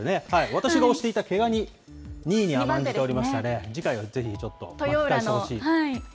私が推していた毛ガニ、２位にあまんじておりましたね、次回はぜひちょっと巻き返してほしい。